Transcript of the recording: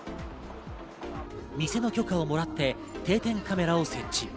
店の許可をもらって定点カメラを設置。